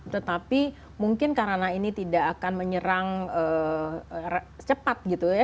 tetapi mungkin karena ini tidak akan menyerang cepat gitu ya